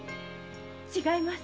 違います。